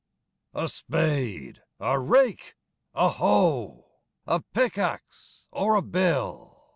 A spade! a rake! a hoe! A pickaxe, or a bill!